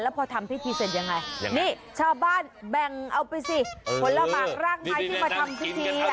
แล้วพอทำที่พรีเซนต์ยังไงยังไงนี่ชาวบ้านแบ่งเอาไปสิเออคนละมากรากไม้ที่มาทำพรีเซนต์